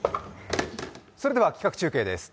それでは企画中継です。